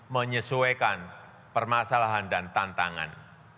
menyesuaikan permasalahan dan tantangan